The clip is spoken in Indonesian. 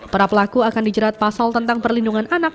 para pelaku akan dijerat pasal tentang perlindungan anak